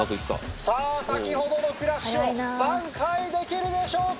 さぁ先ほどのクラッシュを挽回できるでしょうか？